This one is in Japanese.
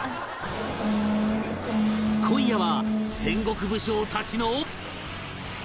今夜は戦国武将たちの